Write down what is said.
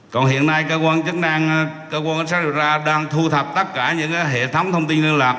còn hiện nay cơ quan chứng năng cơ quan ánh sáng đều ra đang thu thập tất cả những hệ thống thông tin liên lạc